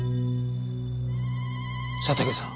佐竹さん。